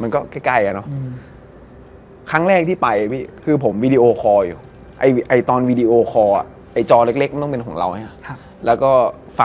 บางทีก็เห็น